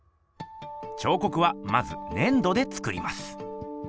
ちょうこくはまずねん土で作ります。